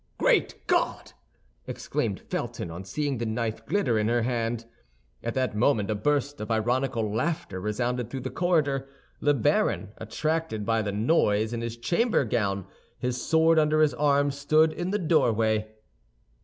"Great God!" exclaimed Felton, on seeing the knife glitter in her hand. At that moment a burst of ironical laughter resounded through the corridor. The baron, attracted by the noise, in his chamber gown, his sword under his arm, stood in the doorway.